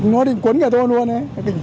nó định cuốn cả tôi luôn đấy